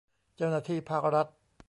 เจ้าหน้าที่ภาครัฐ